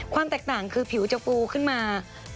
ความแตกต่างคือผิวจะปูขึ้นมา